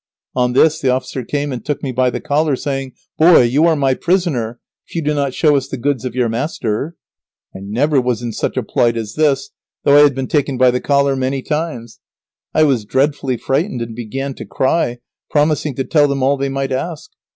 On this the officer came and took me by the collar, saying, "Boy, you are my prisoner if you do not show us the goods of your master." [Illustration: "They returned in the afternoon."] I never was in such a plight as this, though I had been taken by the collar many times. I was dreadfully frightened and began to cry, promising to tell them all they might ask.